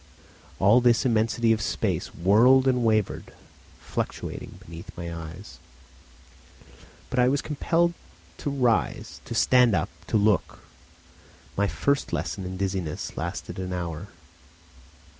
All this immensity of space whirled and wavered, fluctuating beneath my eyes. But I was compelled to rise, to stand up, to look. My first lesson in dizziness lasted an hour.